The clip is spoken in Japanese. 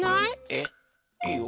えいいよ。